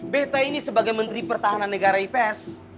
beta ini sebagai menteri pertahanan negara ips